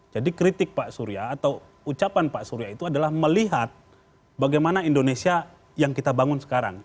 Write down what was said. jadi kritik pak surya atau ucapan pak surya itu adalah melihat bagaimana indonesia yang kita bangun sekarang